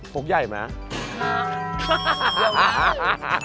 ฟกใหญ่ไหม